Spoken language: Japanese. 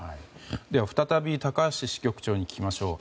では、再び高橋支局長に聞きましょう。